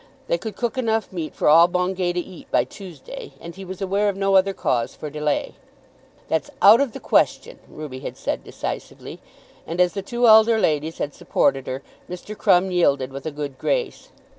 They could cook enough meat for all Bungay to eat by Tuesday, and he was aware of no other cause for delay. "That's out of the question," Ruby had said decisively, and as the two elder ladies had supported her Mr. Crumb yielded with a good grace.